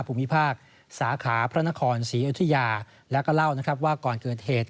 ภูมิภาคสาขาพระนครศรีอยุธิยาแล้วก็เล่านะครับว่าก่อนเกิดเหตุ